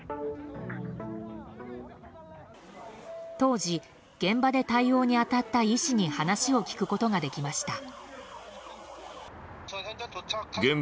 当時現場で対応に当たった医師に話を聞くことができました。